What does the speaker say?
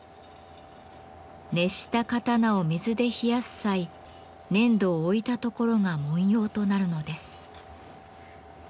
熱した刀を水で冷やす際粘土を置いた所が文様となるのです。